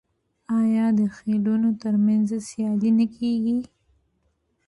آیا د خیلونو ترمنځ سیالي نه کیږي؟